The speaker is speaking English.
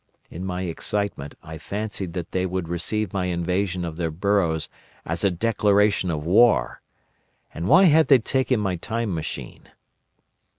In my excitement I fancied that they would receive my invasion of their burrows as a declaration of war. And why had they taken my Time Machine?